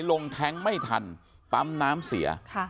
ลงแท็งก์ไม่ทันตามน้ำเสียค่ะ